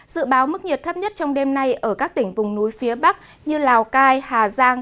dự báo mức nhiệt thấp nhất trong đêm nay ở các tỉnh vùng núi phía bắc như lào cai hà giang